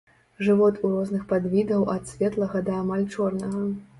Жывот у розных падвідаў ад светлага да амаль чорнага.